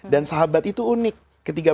dan sahabat itu unik ketika